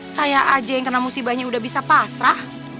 saya aja yang kena musibahnya udah bisa pasrah